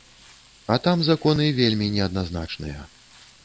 А там законы вельмі неадназначныя.